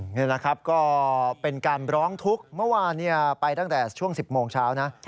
นี่แหละครับก็เป็นการร้องทุกข์เมื่อวานไปตั้งแต่ช่วง๑๐โมงเช้านะ